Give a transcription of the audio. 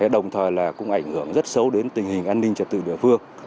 đồng thời cũng ảnh hưởng rất xấu đến tình hình an ninh trật tự địa phương